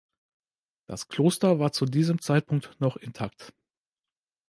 Das Kloster war zu diesem Zeitpunkt noch intakt.